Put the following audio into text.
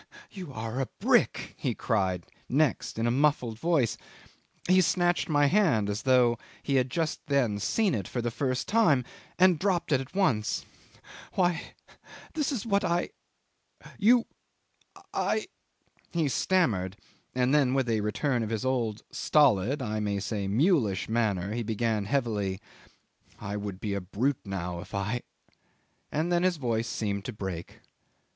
... "You are a brick!" he cried next in a muffled voice. He snatched my hand as though he had just then seen it for the first time, and dropped it at once. "Why! this is what I you I ..." he stammered, and then with a return of his old stolid, I may say mulish, manner he began heavily, "I would be a brute now if I ..." and then his voice seemed to break.